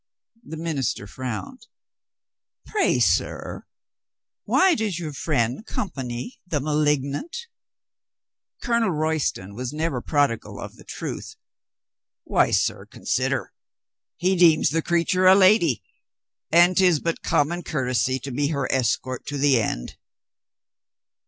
The minister frowned. "Pray, sir, why does your friend company the malignant ?" Colonel Royston was never prodigal of the truth. "Why, sir, consider. He deems the creature a lady, and 'tis but common courtesy to be her escort to the end."